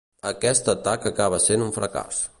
Aquest atac acaba sent un fracàs.